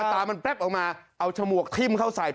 ตามันแป๊บออกมาเอาฉมวกทิ้มเข้าใส่